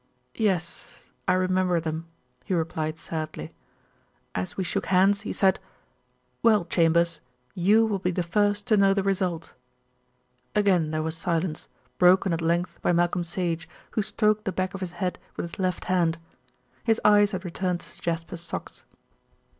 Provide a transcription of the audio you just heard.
"Yes; I remember them," he replied sadly. "As we shook hands he said, 'Well, Chambers, you will be the first to know the result.'" Again there was silence, broken at length by Malcolm Sage, who stroked the back of his head with his left hand. His eyes had returned to Sir Jasper's socks.